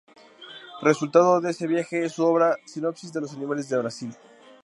Resultado de ese viaje es su obra "Sinopsis de los animales de Brasil".